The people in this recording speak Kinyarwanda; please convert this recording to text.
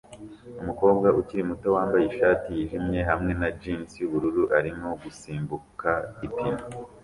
Umukobwa ukiri muto wambaye ishati yijimye hamwe na jans yubururu arimo gusimbuka ipine